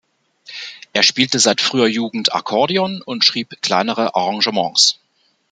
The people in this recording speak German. Er spielte seit früher Jugend Akkordeon und schrieb kleinere Arrangements.